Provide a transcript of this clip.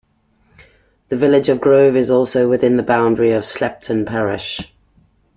The village of Grove is also within the boundary of Slapton parish.